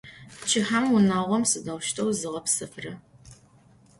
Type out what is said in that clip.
Pçıhem vunağom sıdeuşteu ziğepsefıra?